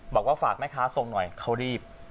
บอกว่าฝากแม่ค้าส่งหน่อยเขารีบ